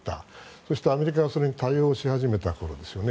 そして、アメリカがそれに対応し始めた頃ですよね。